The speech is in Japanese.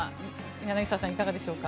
柳澤さん、いかがでしょうか。